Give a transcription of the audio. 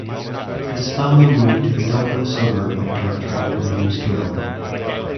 His family moved to the Dublin suburb of Dartry when he was twelve.